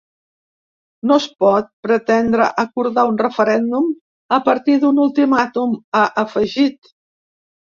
No es pot pretendre acordar un referèndum a partir d’un ultimàtum, ha afegit.